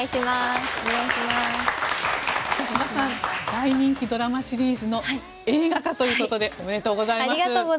大人気ドラマシリーズの映画化ということでおめでとうございます。